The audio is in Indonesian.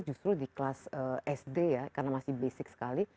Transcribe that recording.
justru di kelas sd ya karena masih basic sekali